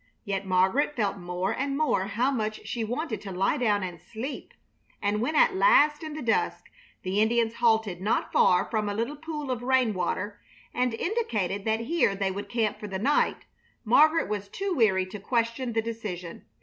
Yet Margaret felt more and more how much she wanted to lie down and sleep, and when at last in the dusk the Indians halted not far from a little pool of rainwater and indicated that here they would camp for the night, Margaret was too weary to question the decision.